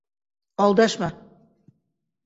— Алдашма!